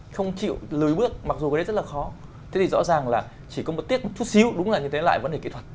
không chịu lười bước mặc dù cái đấy rất là khó